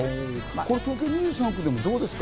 東京２３区はどうですか？